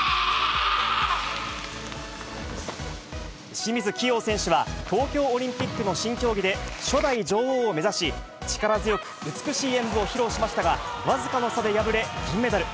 清水希容選手は、東京オリンピックの新競技で初代女王を目指し、力強く美しい演武を披露しましたが、僅かの差で敗れ、銀メダル。